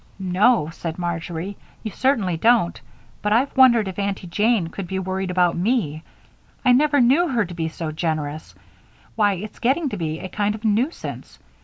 "No," said Marjory, "you certainly don't; but I've wondered if Aunty Jane could be worried about me. I never knew her to be so generous why, it's getting to be a kind of nuisance!